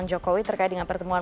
jokowi gitu kan